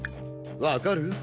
わかる？